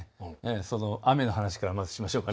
その雨の話からまずしましょうか。